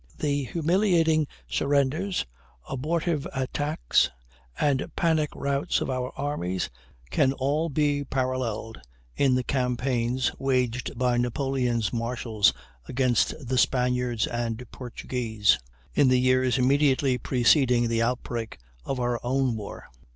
The humiliating surrenders, abortive attacks, and panic routs of our armies can all be paralleled in the campaigns waged by Napoleon's marshals against the Spaniards and Portuguese in the years immediately preceding the outbreak of our own war.